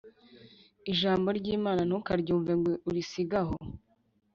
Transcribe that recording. Ijambo ryimana ntukaryumve ngo urisige aho